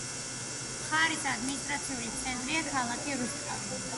მხარის ადმინისტრაციული ცენტრია ქალაქი რუსთავი.